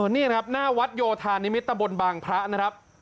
นี่ครับหน้าวัดโยธานิมิตตะบนบางพระนะครับ